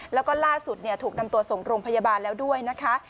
แล้วก็ล่าสุดถูกนำตัวส่งโรงพยาบาลแล้วด้วยนะคะ